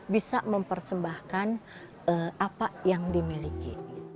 bisa mempersembahkan apa yang dimiliki